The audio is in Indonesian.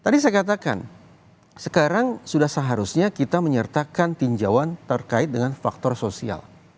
tadi saya katakan sekarang sudah seharusnya kita menyertakan tinjauan terkait dengan faktor sosial